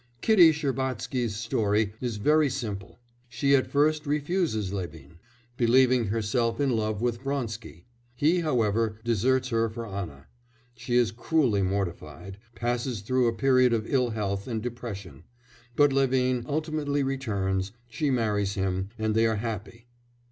Kitty Shcherbatsky's story is very simple: she at first refuses Levin, believing herself in love with Vronsky; he, however, deserts her for Anna; she is cruelly mortified, passes through a period of ill health and depression, but Levin ultimately returns, she marries him, and they are happy.